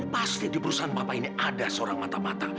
pasti di perusahaan papa ini ada seorang mata mata